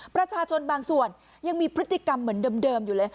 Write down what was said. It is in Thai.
ประชาชนบางส่วนยังมีพฤติกรรมเหมือนเดิมอยู่เลย